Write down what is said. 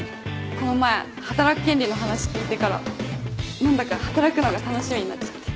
この前働く権利の話聞いてから何だか働くのが楽しみになっちゃって。